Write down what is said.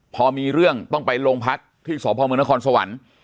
พอมีเรื่องต้องไปโรงพักที่สพมนครสวรรค์